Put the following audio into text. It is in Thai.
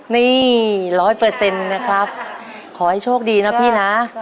นี่ร้อยเปอร์เซ็นต์นะครับขอให้โชคดีนะพี่นะ